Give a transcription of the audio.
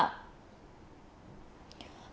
công an huyện hòa văn